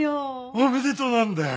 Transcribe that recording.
おめでとうなんだよ。